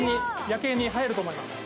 夜景に映えると思います。